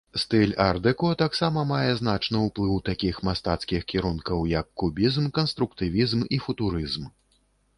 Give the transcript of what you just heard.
Стыль ар-дэко таксама мае значны ўплыў такіх мастацкіх кірункаў, як кубізм, канструктывізм і футурызм.